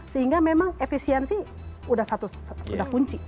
sehingga memang efisiensi udah satu udah kunci